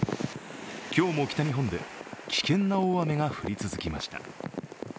今日も北日本で危険な大雨が降り続きました。